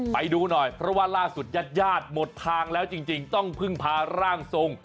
ไปดูหน่อยเพราะว่าล่าสุดญาติญาติหมดทางแล้วจริงต้องพึ่งพาร่างทรง